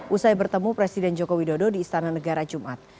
usai bertemu presiden joko widodo di istana negara jumat